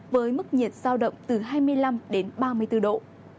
với mức nhiệt giao động từ hai mươi năm ba mươi bốn độ